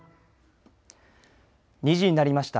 ２時になりました。